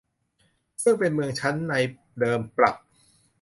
ซึ่งเป็นเมืองชั้นในเดิมปรับ